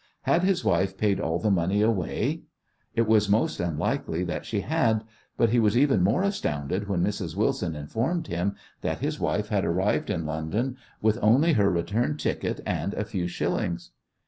Had his wife paid all the money away? It was most unlikely that she had. But he was even more astounded when Mrs. Wilson informed him that his wife had arrived in London with only her return ticket and a few shillings.